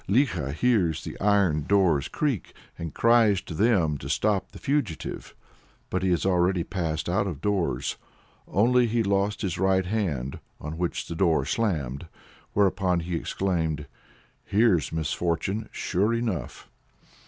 Likho hears the iron doors creak, and cries to them to stop the fugitive. "But he had already passed out of doors. Only he lost his right hand, on which the door slammed: whereupon he exclaimed 'Here's misfortune, sure enough!'"